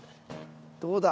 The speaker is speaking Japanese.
どうだ？